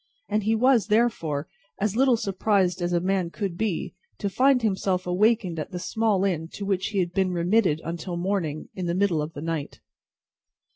And he was, therefore, as little surprised as a man could be, to find himself awakened at the small inn to which he had been remitted until morning, in the middle of the night.